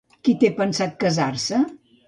Qui té pensat casar-se?